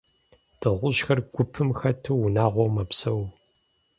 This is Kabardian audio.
Дыгъужьхэр гупым хэту, унагъуэу мэпсэу.